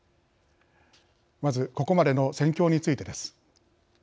まずここまでの戦況についてです。